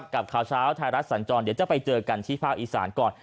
กับข่าวเช้าไทยรัฐสัญจรเดี๋ยวจะไปเจอกันที่ภาคอีสานก่อน